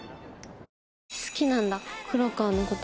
好きなんだ黒川のことが。